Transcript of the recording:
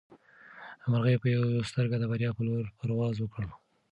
مرغۍ په یوه سترګه د بریا په لور پرواز وکړ.